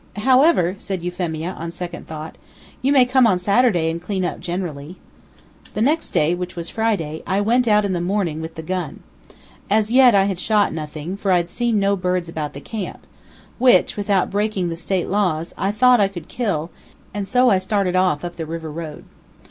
"However," said Euphemia, on second thoughts, "you may come on Saturday and clean up generally." The next day, which was Friday, I went out in the morning with the gun. As yet I had shot nothing, for I had seen no birds about the camp, which, without breaking the State laws, I thought I could kill, and so I started off up the river road.